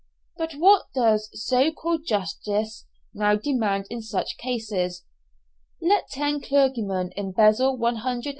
But what does so called justice now demand in such cases? Let ten clergymen embezzle 100_l.